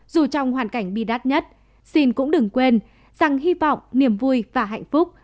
dù trong hoàn cảnh bi đắt nhất xin cũng đừng quên rằng hy vọng niềm vui và hạnh phúc